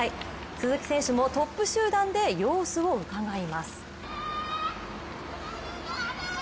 鈴木選手もトップ集団で様子をうかがいます。